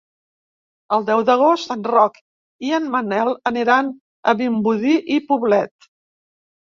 El deu d'agost en Roc i en Manel aniran a Vimbodí i Poblet.